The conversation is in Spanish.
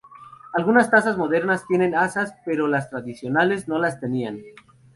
Algunas tazas modernas tienen asas, pero las tradicionales no las tenían.